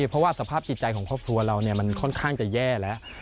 เพราะว่าสภาพจิตใจของครอบครัวเรามันค่อนข้างจะแย่แล้ว